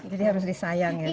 jadi harus disayang ya sapinya